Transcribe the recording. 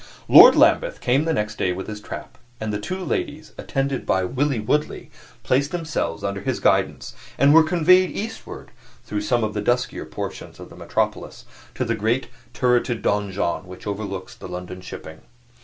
Lord Lambeth came the next day with his trap, and the two ladies, attended by Willie Woodley, placed themselves under his guidance, and were conveyed eastward, through some of the duskier portions of the metropolis, to the great turreted donjon which overlooks the London shipping.